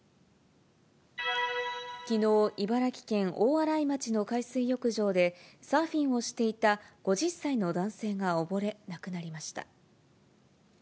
きのう、茨城県大洗町の海水浴場で、サーフィンをしていた５０歳の男性が溺れ、亡くなりました。